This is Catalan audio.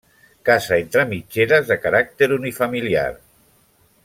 Casa entre mitgeres de caràcter unifamiliar.